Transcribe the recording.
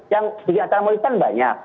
yang dikatakan maulid kan banyak